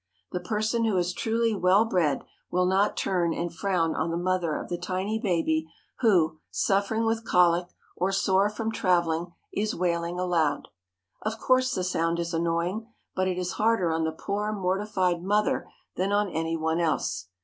The person who is truly well bred will not turn and frown on the mother of the tiny baby who, suffering with colic, or sore from traveling, is wailing aloud. Of course the sound is annoying, but it is harder on the poor mortified mother than on any one else.